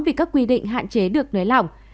vì các quy định hạn chế được nới lỏng